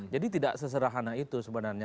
jadi tidak seserahannya itu sebenarnya